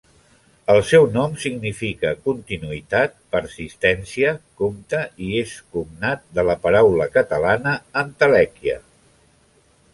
El seu nom significa continuïtat, persistència, compte, i és cognat de la paraula catalana entelèquia.